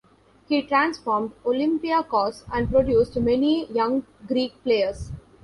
He transformed Olympiacos and produced many young Greek players.